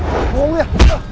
ah bohong ya